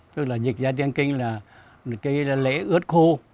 tức là dịch ra tiếng kinh là lễ ướt khô